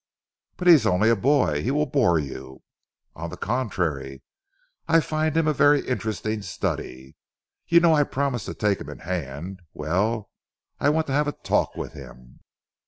"But he is only a boy. He will bore you." "On the contrary, I find him a very interesting study. You know I promised to take him in hand. Well, I want to have a talk with him."